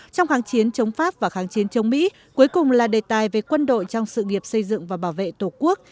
trong kháng chiến chống pháp và kháng chiến chống mỹ cuối cùng là đề tài về quân đội trong sự nghiệp xây dựng và bảo vệ tổ quốc